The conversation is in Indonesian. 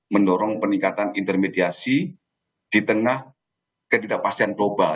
mendorong peningkatan intermediasi di tengah ketidakpastian global